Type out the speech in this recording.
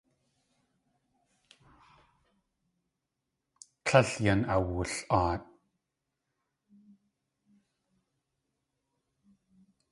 Tlél yan awul.aat.